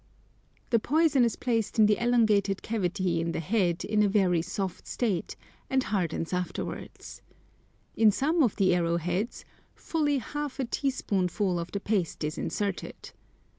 The poison is placed in the elongated cavity in the head in a very soft state, and hardens afterwards. In some of the arrow heads fully half a teaspoonful of the paste is inserted.